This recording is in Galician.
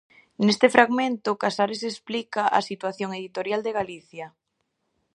Neste fragmento, Casares explica a situación editorial de Galicia.